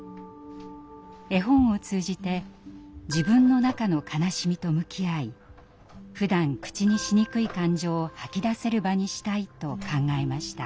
絵本を通じて自分の中の悲しみと向き合いふだん口にしにくい感情を吐き出せる場にしたいと考えました。